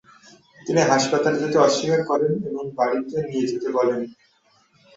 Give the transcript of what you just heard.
তিনি হাসপাতালে যেতে অস্বীকার করেন এবং বাড়িতে নিয়ে যেতে বলেন।